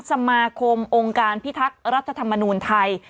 สมาคมองค์การพิทักษ์รัฐธรรมนูลไทย